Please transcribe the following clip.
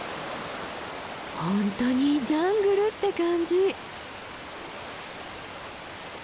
本当にジャングルって感じ。